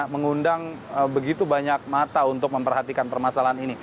mengundang begitu banyak mata untuk memperhatikan permasalahan ini